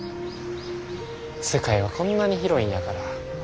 世界はこんなに広いんやから。